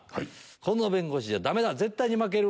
「この弁護士じゃダメだ絶対に負ける」